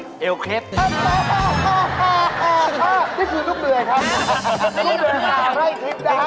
นี่คือลูกเดรค่ะ